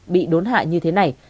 bị đốn hại như thế này